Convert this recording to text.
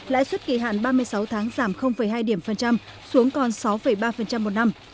lãi suất kỳ hạn ba mươi sáu tháng giảm hai điểm phần trăm xuống còn sáu ba một năm